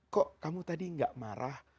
kok kamu tadi gak marah